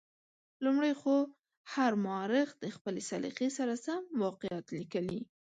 لومړی خو هر مورخ د خپلې سلیقې سره سم واقعات لیکلي.